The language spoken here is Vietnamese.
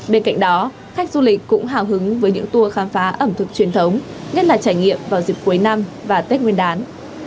bên cạnh đó khách du lịch cũng hào hứng với những tour khám phá ẩm thực truyền thống nhất là trải nghiệm vào dịp cuối năm và tết nguyên đán